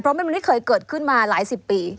เพราะมันไม่เคยเกิดขึ้นมาหลายสิบปี